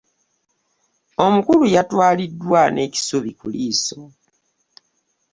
Omukulu yatwaliddwa n'ekisubi ku liiso.